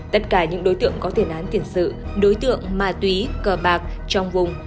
tất cả những đối tượng có tiền án tiền sự đối tượng ma túy cờ bạc trong vùng